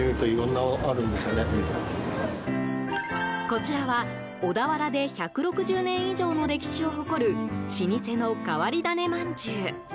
こちらは小田原で１６０年以上の歴史を誇る老舗の変わり種まんじゅう。